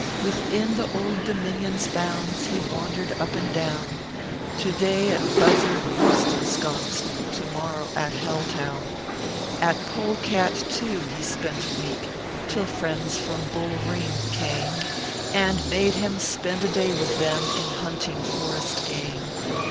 "Within the Old Dominion s bounds, He wandered up and down, To day, at Buzzard Roost ensconced, To morrow, at Hell Town. At Pole Cat, too, ho spent a week, Till friends from Bull Ring came, And made him spend a day with them In hunting forest game.